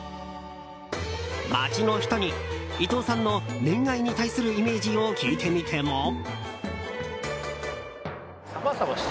街の人に伊藤さんの恋愛に対するイメージを聞いてみても。